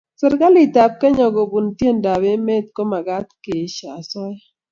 serikalit ab kenya kobun neindoi emet ko magat koesho asoya